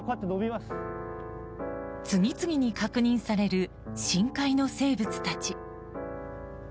次々に確認される深海の生物たち。